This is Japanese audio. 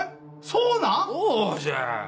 そうじゃ！